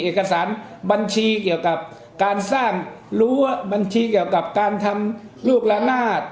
เอกสารบัญชีเกี่ยวกับการสร้างรั้วบัญชีเกี่ยวกับการทำลูกละนาด